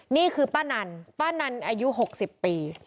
นี่คือป้านันป้านันอายุ๖๐ปี